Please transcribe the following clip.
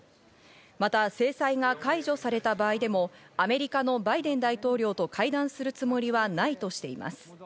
また制裁が解除された場合でもアメリカのバイデン大統領と会談するつもりはないとしています。